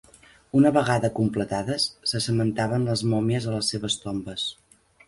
Una vegada completades, se cementaven les mòmies a les seves tombes.